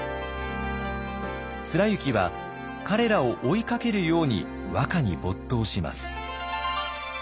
貫之は彼らを追いかけるように和歌に没頭します。